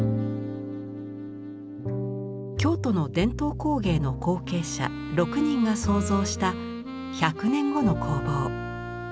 京都の伝統工芸の後継者６人が想像した１００年後の工房。